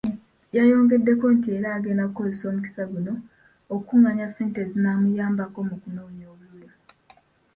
Yayongeddeko nti era agenda kukozesa omukisa guno okukunganya ssente ezinaamuyambako mu kunoonya obululu.